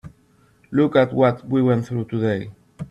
Look at what we went through today.